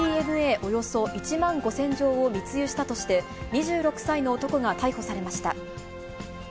およそ１万５０００錠を密輸したとして、２６歳の男が逮捕されました。